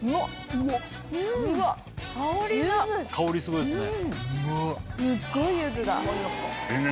香りすごいですね。